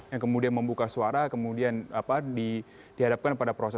yang kemudian membuka suara kemudian dihadapkan pada proses